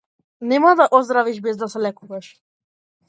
Нема да оздравиш без да се лекуваш.